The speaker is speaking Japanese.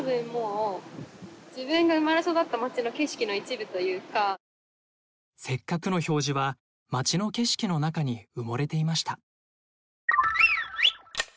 よくよく考えたらせっかくの表示は街の景色の中に埋もれていました。